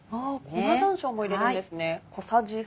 粉山椒も入れるんですね。